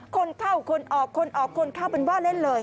คนเข้าคนออกคนออกคนเข้าเป็นว่าเล่นเลย